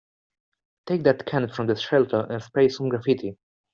Take that can from the shelter and spray some graffiti.